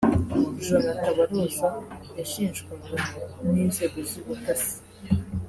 Jonathan Baroza yashinjwaga n’inzego z’ubutasi